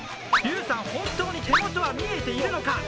劉さん、本当に手元は見えているのか。